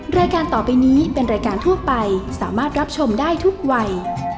รายการต่อไปนี้เป็นรายการทั่วไปสามารถรับชมได้ทุกวัย